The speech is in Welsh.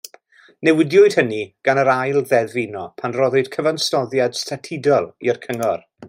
Newidiwyd hynny gan yr Ail Ddeddf Uno pan roddwyd cyfansoddiad statudol i'r cyngor.